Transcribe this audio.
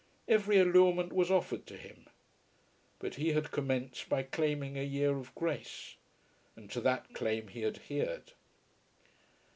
Every allurement was offered to him. But he had commenced by claiming a year of grace, and to that claim he adhered.